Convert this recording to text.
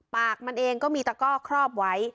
ปากมันเองก็มีตะก้อครอบไว้